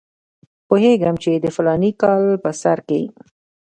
پوهېږم چې د فلاني کال په سر کې.